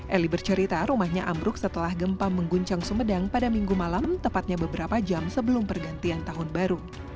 eli bercerita rumahnya ambruk setelah gempa mengguncang sumedang pada minggu malam tepatnya beberapa jam sebelum pergantian tahun baru